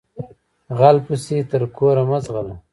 غل پسې تر کوره مه ځغلهٔ